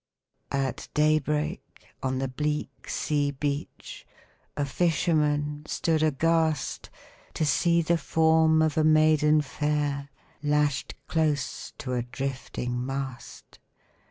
At day break, on the bleak sea beach A fisherman stood aghast, To see the form of a maiden fair Lashed close to a drifting mast.